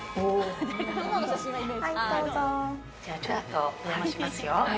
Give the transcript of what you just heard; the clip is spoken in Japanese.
ちょっとお邪魔しますよ。